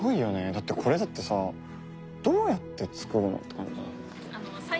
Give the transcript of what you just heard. だってこれだってさどうやって作るの？って感じじゃない？